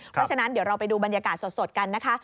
เพราะฉะนั้นเดี๋ยวเราไปดูบรรยากาศสดกันนะคะ